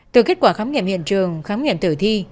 từ kết quả khám nghiệm hiện trường khám nghiệm tử thi